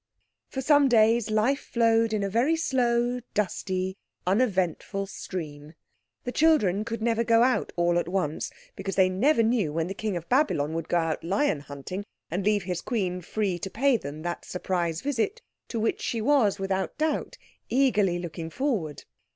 For some days life flowed in a very slow, dusty, uneventful stream. The children could never go out all at once, because they never knew when the King of Babylon would go out lion hunting and leave his Queen free to pay them that surprise visit to which she was, without doubt, eagerly looking forward.